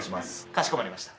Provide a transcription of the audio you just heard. かしこまりました。